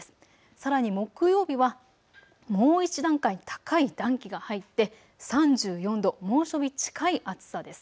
さらに木曜日はもう１段階高い暖気が入って３４度、猛暑日近い暑さです。